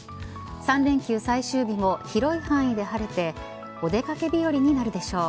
３連休最終日も広い範囲で晴れてお出掛け日和になるでしょう。